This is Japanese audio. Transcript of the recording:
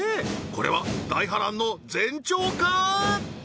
これは大波乱の前兆か